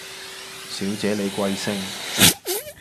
小姐你貴姓